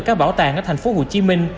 các bảo tàng ở thành phố hồ chí minh